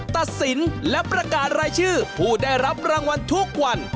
ตัดสินและประกาศรายชื่อผู้ได้รับรางวัลทุกวัน